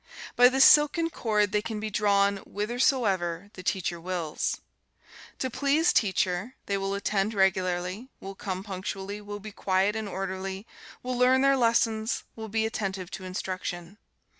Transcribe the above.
By this silken cord they can be drawn whithersoever the teacher wills. To please teacher, they will attend regularly, will come punctually, will be quiet and orderly, will learn their lessons, will be attentive to instruction.